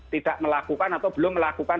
tidak melakukan atau belum melakukan